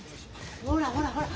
ほらほらほら。